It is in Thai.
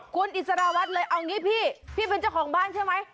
คุณอิสราวัฒน์เลยเอางี้พี่พี่เป็นเจ้าของบ้านใช่ไหม